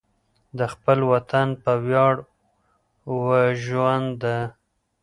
د خپل وطن په ویاړ وژونده.